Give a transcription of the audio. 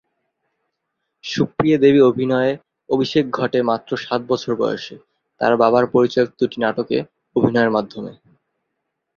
সুপ্রিয়া দেবী অভিনয়ে অভিষেক ঘটে মাত্র সাত বছর বয়সে, তার বাবা’র পরিচালিত দুইটি নাটকে অভিনয়ের মাধ্যমে।